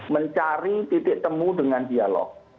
mencari titik temu dengan dialog